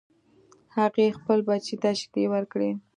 هغې خپل بچی ته شیدې ورکړې